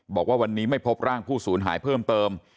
บอกว่าวันนี้ไม่พบร่างผู้สูญหายเพิ่มเติม